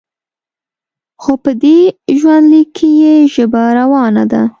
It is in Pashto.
خو په دې ژوندلیک کې یې ژبه روانه ده.